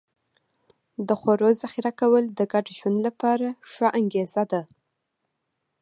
د خوړو ذخیره کول د ګډ ژوند لپاره ښه انګېزه ده.